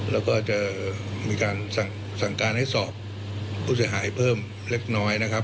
แล้วก็จะมีการสั่งการให้สอบผู้เสียหายเพิ่มเล็กน้อยนะครับ